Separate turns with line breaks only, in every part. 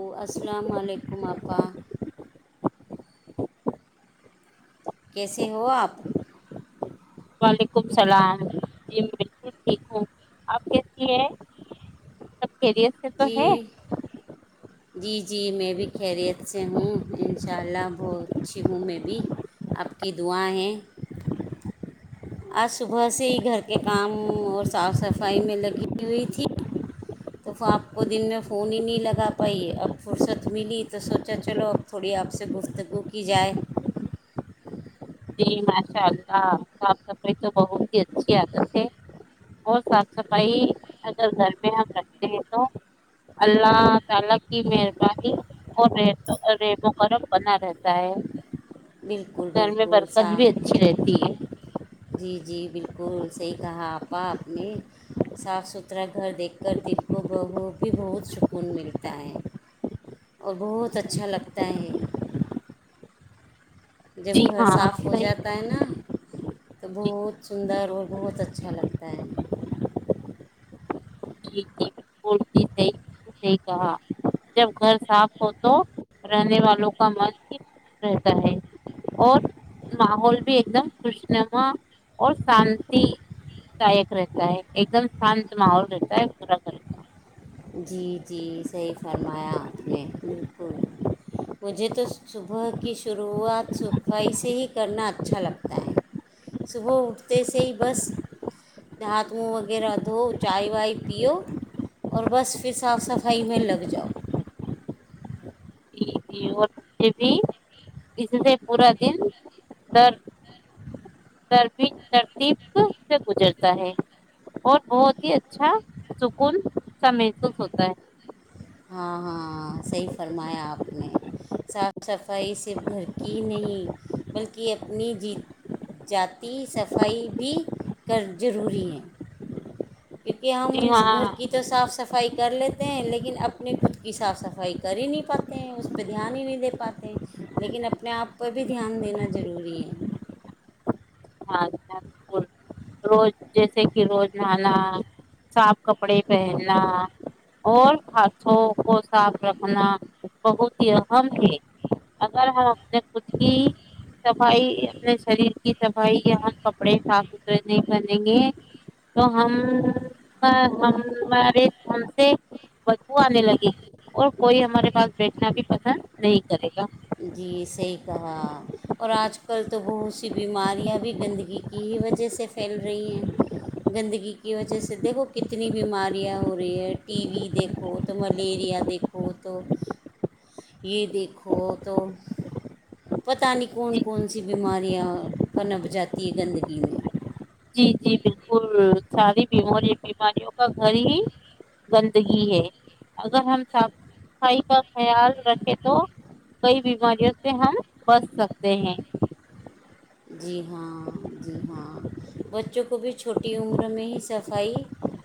ا السلام علیکم اپپا کیسے ہو آپ [unintelligible]
وعلیکم السلام جی بالکل ٹھیک ہوں آپ کیسی ہیں [inaudible] کیریئر سے تو ہے
جی
[inaudible]
جی جی میں بھی خیریت سے ہوں ان شاء اللہ بہت اچھی ہوں میں بھی آپ کی دعا ہیں [unintelligible] آج صبح سے ہی گھر کے کام اور صاف صفائی میں لگی ہوئی تھی [unintelligible] تو وہ آپ کو دن میں فون ہی نہیں لگا پائی اب فرصت ملی تو سوچا چلو اب تھوڑی آپ سے گفتگو کی جائے [unintelligible]
جی ماشاء اللہ صاف صفائی تو بہت ہی اچھی عادت ہے اور صاف صفائی اگر گھر میں ہم رکھتے ہیں تو اللہ تعالی کی مہربانی اور ریب وغرف بنا رہتا ہے [inaudible]
بالکل بالکل [unintelligible]
کد بھی اچھی رہتی ہے [inaudible]
جی جی بالکل صحیح کہا آپا اپ نے صاف ستھرا [unintelligible] گھر دیکھ کر دل کو ب بھی بہت [inaudible] سکون ملتا ہے اور بہت اچھا لگتا ہے [inaudible] جب
جی
گھر
ہاں
صاف ہو
صحیح
جاتا ہے نا [unintelligible] تو
جی
بہت سندر [unintelligible] اور بہت اچھا لگتا ہے [inaudible]
جی سے ہی کہا جب گھر صاف ہو تو رہنے والوں کا من ہی خوش رہتا ہے اور ماحول بھی ایک دم خوش نما اور شانتی دائک رہتا ہے ایک دم شانت ماحول رہتا [inaudible] پورا کرتا [inaudible]
جی جی صحیح فرمایا آپ نے بالکل مجھے تو [unintelligible] صبح کی شروعات صفائی سے ہی کرنا اچھا لگتا ہے [unintelligible] صبح اٹھتے سے ہی بس ہات ونہ وغیرہ دھوؤ چائے وائے پیو [unintelligible] اور بس پھر صاف صفائی میں لگ جاؤ [unintelligible]
اور بھی اس سے پورا دن درد [inaudible] تر ترتیب سے گزرتا ہے اور بہت ہی اچھا سکون سا محسوس ہوتا ہے [unintelligible]
ہاں ہاں صحیح فرمایا آپ نے صاف صفائی صرف گھر کی نہیں بلکہ اپنی جی جاتی صفائی بھی کر ضروری ہے [unintelligible] کیونکہ ہم
جی
گھر
ہاں
کی تو صاف صفائی [unintelligible] کر لیتے ہیں لیکن اپنی خود کی صاف صفائی کر ہی نہیں پاتے ہیں اس پہ دھیان ہی نہیں دے پاتے ہیں لیکن اپنے آپ پہ بھی دھیان دینا ضروری ہے [unintelligible]
ہاں [inaudible] روز [inaudible] جیسے کہ روز نہانا صاف کپڑے پہننا اور ہاتھوں کو صاف رکھنا بہت ہی اہم ہے اگر ہم اپنے خود کی صفائی اپنے شریر کی صف [unintelligible] بھائی یہ ہم کپڑے صاف ستھرے نہیں پہنیں گے تو ہم ہمارے ہم سے بدو آنے لگے گی اور کوئی ہمارے پاس بیٹھنا بھی پسند نہیں کرے گا [inaudible]
جی صحیح کہا اور آج کل تو بہت سی بیماریاں بھی گندگی کی ہی وجہ سے پھیل رہی ہیں گندگی [unintelligible] کی وجہ سے دیکھو کتنی بیماریاں ہو رہی ہیں ٹی وی دیکھو تو ملیریا دیکھو تو [unintelligible] یہ دیکھو [inaudible] پتہ فنب جاتی ہے گندگی میں [inaudible]
جی جی بالکل ساری [inaudible] یہ بیماریوں کا گھر ہی گندگی ہے اگر ہم صاف صفائی کا خیال رکھے تو کئی بیماریوں سے ہم بچ سکتے ہیں [inaudible]
جی ہاں جی ہاں بچوں کو بھی چھوٹی عمر میں ہی صفائی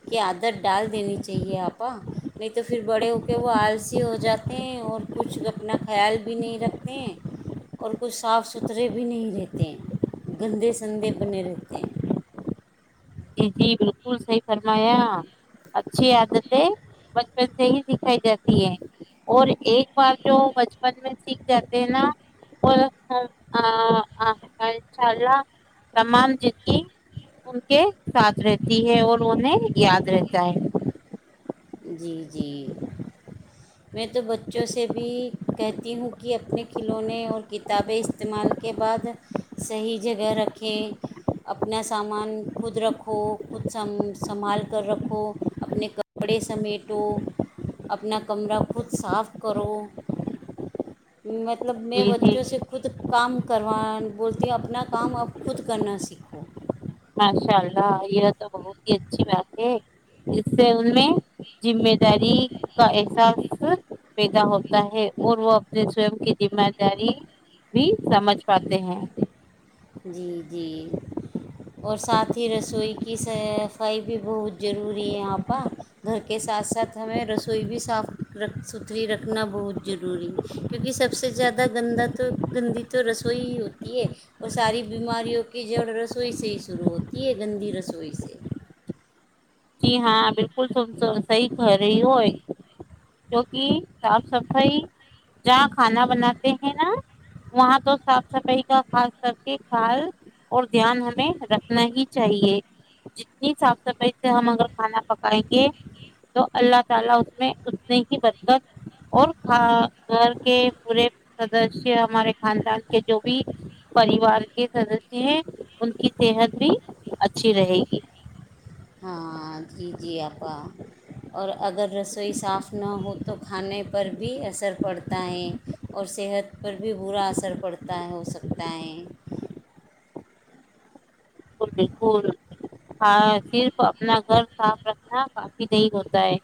کی عادت ڈال دینی چاہیے آپا نہیں تو پھر بڑے ہو کے وہ آلسی ہو جاتے ہیں اور کچھ اپنا خیال بھی نہیں رکھتے ہیں اور کچھ صاف ستھرے بھی نہیں رہتے [unintelligible] تے ہیں گندے سندے بنے رہتے ہیں [unintelligible]
جی جی بالکل صحیح فرمایا اچھی عادتیں بچپن سے ہی سکھائی جاتی ہے اور ایک بار جو بچپن میں سیکھ جاتے ہیں نا اور ان شاء اللہ تمام جندگی ان کے [inaudible] ساتھ رہتی ہے اور انہیں یاد رہتا ہے
جی جی میں تو بچوں سے بھی کہتی ہوں کہ اپنے کھلونے اور کتابیں استعمال کے بعد صحیح جگہ رکھیں اپنا سامان خود رکھو خود س سنبھال کر رکھو اپنے کپڑے سمیٹو اپنا کمرہ خود صاف کرو مطلب میں
جی جی
بچوں سے خود کام کروں بولتی ہیں اپنا کام اب خود کرنا سیکھو
ماشاء اللہ یہ تو بہت ہی اچھی بات ہے اس سے ان میں ذمہ داری کا احساس پیدا ہوتا ہے اور وہ اپنے سوم کی ذمہ داری بھی سمجھ پاتے ہیں
جی جی اور ساتھ ہی رسوئی کی صفائی بھی بہت ضروری ہے یہاں پر گھر کے ساتھ ساتھ ہمیں رسوئی بھی صاف رکھ ستھری رکھنا بہت ضروری ہے کیونکہ سب سے زیادہ گندہ تو گندی تو رسوئی ہی ہوتی ہے اور ساری بیماریوں کی جڑ رسوئی سے ہی شروع ہوتی ہے گندی رسوئی سے
جی ہاں بالکل تم صحیح کہہ رہی ہو کیوںکہ صاف صفائی جہاں کھانا بناتے ہیں نا وہاں تو صاف صفائی کا خاص کر کے خیال اور دھیان ہمیں رکھنا ہی چاہیے جتنی صاف صفائی [inaudible]
ہاں جی جی آپا اور اگر رسوئی صاف نہ ہو تو کھانے پر بھی اثر پڑتا ہے اور صحت پر بھی برا اثر پڑتا ہے ہو سکتا ہے
بک بالکل ہاں صرف اپنا گھر صاف رکھنا کافی نہیں ہوتا ہے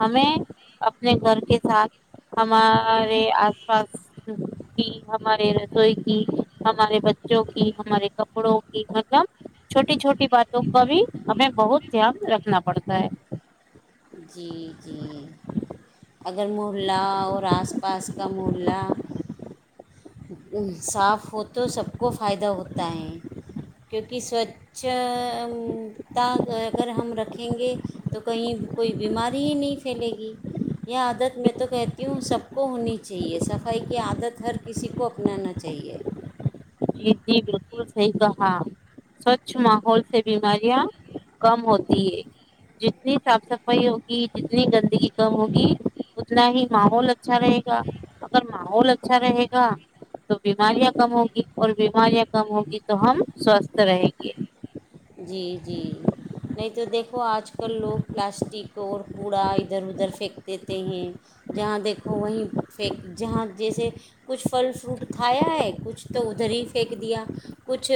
ہمیں اپنے گھر کے ساتھ ہمارے آس پاس کی ہمارے رسوئی کی ہمارے بچوں کی ہمارے کپڑوں کی مطلب چھوٹی چھوٹی باتوں کا بھی ہمیں بہت دھیان رکھنا پڑتا ہے
جی جی اگر محلہ اور آس پاس کا محلہ ا صاف ہو تو سب کو فائدہ ہوتا ہے کیونکہ کہ سوچھ تا اگر ہم رکھیں یں گے تو کہیں کوئی بیماری ہی نہیں پھیلے گی یہ عادت میں تو کہتی ہوں سب کو ہونی چاہیے صفائی کی عادت ہر کسی کو کو اپنانا چاہیے
جی جی بالکل صحیح کہا سوچھ ماحول سے بیماریاں کم ہوتی ہے جتنی صاف صفائی ہوگی جتنی گندگی کم ہوگی اتنا ہی ماحول اچھا رہے گا اگر ماحول اچھا رہے گا تو بیماریاں کم ہوگی اور بیماریاں کم ہوگی تو ہم سوستھ رہیں گے
جی جی نہیں تو دیکھ تو آج کل لوگ پلاسٹک تو اور کوڑا ادھر ادھر پھینک دیتے ہیں جہاں دیکھو وہیں پیک جہاں جیسے ا کچھ پھل فروٹ کھایا ہے کچھ تو ادھر ہی پھینک دیا کچھ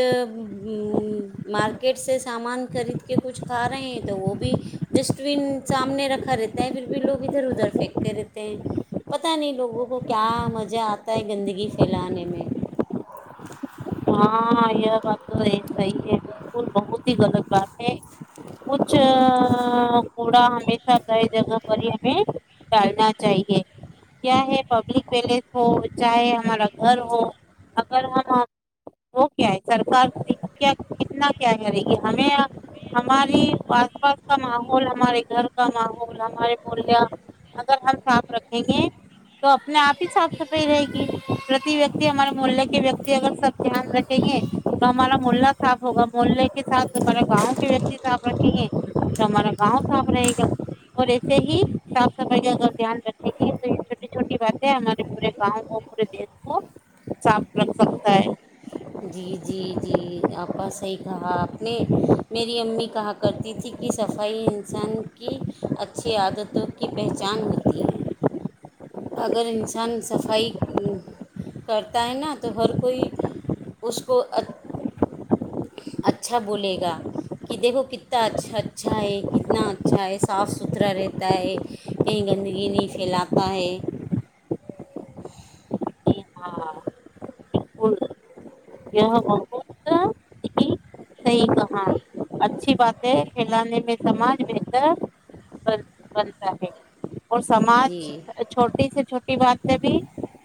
مارک کٹس سامان خرید کے کچھ کھا رہے ہیں تو وہ بھی ڈسٹ بن سامنے رکھا رہتا ہے پھر بھی لوگ ادھر ادھر پھینکتے رہتے ہیں پتہ نہیں لوگوں کو کیا مزہ آتا ہے گندگی پھیلانے میں
ہاں یہ بات تو صحیح ہے بالکل بہت ہی غلط بات ہے کچھ کوڑا ہمیشہ گئے جگہ پر ہی ہمیں ڈالنا چاہیے کیاے پبلک پیلیس ہو چاہے ہمارا گھر ہو اگر ہم وہ کیا ہے سرکار کیا کتنا کیا کرے گی ہمیں ہماری آس پاس کا ماحول ہمارے گھر کا ماحول ہمارے محیہ اگر ہم صاف رکھیں گے تو اپنے آپ ہی صاف صفائی رہے گی پرتی ویکتی ہمارے محے کے وتی اگر سب دھیان رکھیں گے تو ہمارا محلہ صاف ہوگا محے کے ساتھ ہمارا گاؤں کے وتی صاف رکھیں گے تو ہمارا گاؤں صاف رہے گا اور ایسے ہی صاف صفائی کا اگر دھیان رکھیں گے تو یہ چھوٹی چھوٹی باتیں ہمارے پورے گاؤں کو پورے دیش کو صاف رکھ سک سائے
جی جی جی آپا صحیح کہا آپ نے میری امی کہا کرتی تھی کہ صفائی انسان کی اچھی عادتوں کی پہچان ہوتی ہیں اگر انسان صفائی کرتا ہے نا تو ہر کوئی اس کو اچھا بولے گا کہ دیکھو کتنا اچھا ہے کتنا اچھا ہے صاف ستھرا رہتا ہے کہیں گندگی نہیں پھیلاتا ہے
ہاں یہ بہت ہی صحیح کہاں اچھی باتیں پھیلانے میں سماج بہتر بن بنتا ہے اور سماج
جی
چھوٹی سے چھوٹی بات سب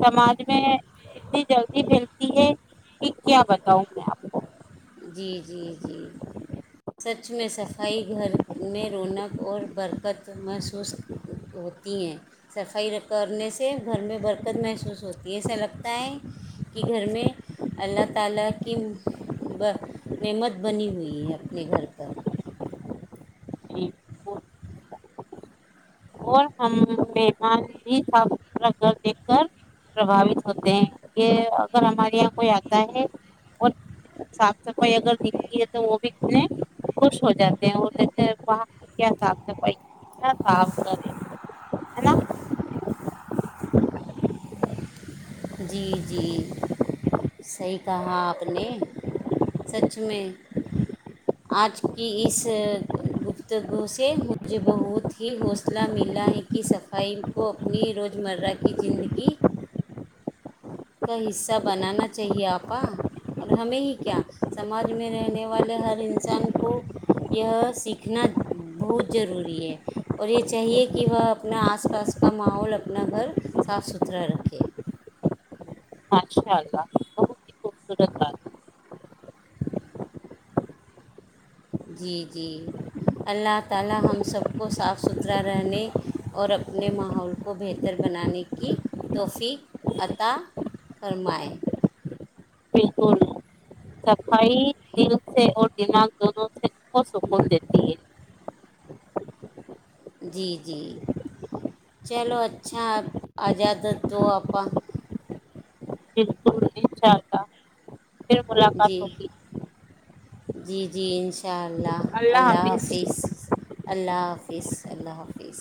سمج میں میں اتنی جلدی پھیلتی ہے کہ کیا بتاؤں میں آپ کو
جی جی جی سچ میں صفائی گھر میں رونق اور برکت محسوس ہوتی ہیں صفائی کرنے سے گھر میں برکت محسوس ہوتی ہےسا لگ ت کہ گھر میں اللہ تعالی ب نعمت بنی ہوئی ہے اپنے گھر پر
جی اور ہم مہمان بھی صاف ستھرا گھر دیکھ کر پربھاوت ہوتے ہیں یہ اگر ہمارے یہاں کوئی آتا ہے اور صاف صفائی اگر دکھتی ہے تو وہ بھی کتنے خوش ہو جاتے ہیں اور جسےاں کیا صاف صفائی کتنا صاف ہے نا
جی جی صحیح تاں آپ نے سچ میں آج کی اس گفتگو سے مجھے بہت ہی حوصلہ ملا ہے کہ صفائی کو اپنی روزمرہ کی زندگی کا حصہ بنانا چاہیے آپ کا اور ہمیں ہی کیا سماج میں رہنے والے ہر انسان کو یہ سیکھنا بہت ضروری ہے اور یہ چاہیے کہ وہ اپنا آس پاس کا ماحول اپنا گھر صاف ستھرا رکھے
اچشاء اللہ بہت ہی خوبصورت بات ہے
جی جی اللہ تعالی ہم سب کو صاف ستھرا رہنے اور اپنے ماحول کو بہتر بنانے کی توفیق عطا فرما
بالکل صفائی دل سے اور دماغ دونوں سے کو سکون دیتی ہے
جی جی چلو اچھا آجا د دو آپا
بالکل انشاء اللہ ملاقات
جی
ہوگی
جی جی انشاءاللہ اللہ حافظ اللہ حافظ اللہ حافظ